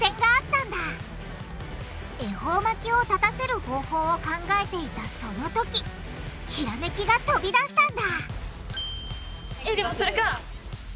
恵方巻きを立たせる方法を考えていたそのときひらめきが飛び出したんだそれか！